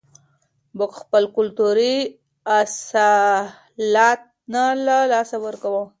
موږ خپل کلتوري اصالت نه له لاسه ورکوو.